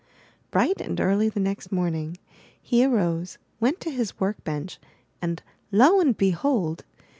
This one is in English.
Bright and early the next morning he arose, went to his work bench and, lo and behold!